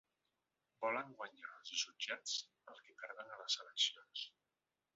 Volen guanyar als jutjats, el que perden a les eleccions.